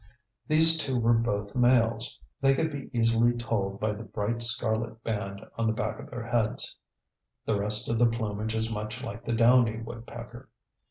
These two were both males. That could be easily told by the bright scarlet band on the back of their heads. The rest of the plumage is much like the downy woodpecker.